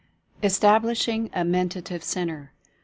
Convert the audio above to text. ESTABLISHING A MENTATIVE CENTRE.